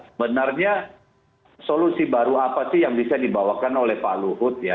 sebenarnya solusi baru apa sih yang bisa dibawakan oleh pak luhut ya